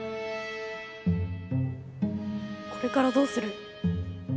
これからどうする？